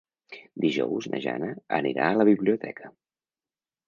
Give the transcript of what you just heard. Dijous na Jana anirà a la biblioteca.